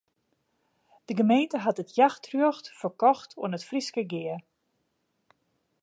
De gemeente hat it jachtrjocht ferkocht oan it Fryske Gea.